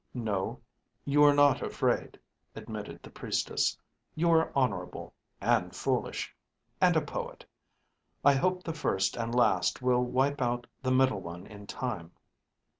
"No, you are not afraid," admitted the priestess. "You are honorable, and foolish and a poet. I hope the first and last will wipe out the middle one in time.